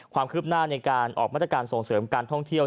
ความคืบหน้าในการออกมาตรการส่งเสริมการท่องเที่ยว